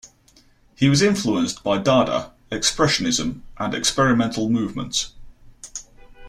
He was influenced by Dada, Expressionism and experimental movements.